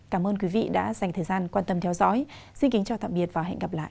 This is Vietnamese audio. cảm ơn quý vị đã dành thời gian quan tâm theo dõi xin kính chào tạm biệt và hẹn gặp lại